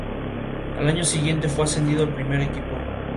Al año siguiente fue ascendido al primer equipo.